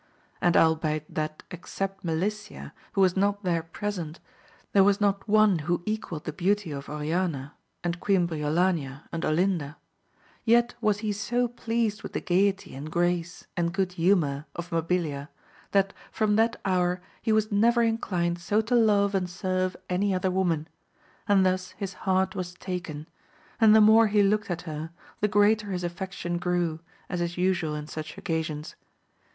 And albeit that except Melicia, who was not there present, there was not one who equalled the beauty of Oriana, and Queen Briolania and Olinda, yet was he so pleased with the gaiety and grace and good humour of Mabi lia, that from that hour was h& never inclined so to love and serve any other woman ; and thus his heart was taken, and the more he looked at her, the greater his affection grew, as is usual in such occasions.